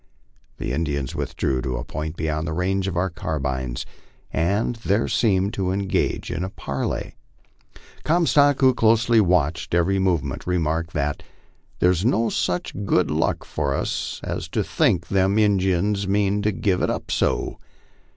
The Indians withdrew to a point beyond the range of our carbines, and there seemed to engage in a parley. Comstock, who had closely watched every movement, remarked that "There's no sich good luck for us as to think them Injuns mean to give it up so.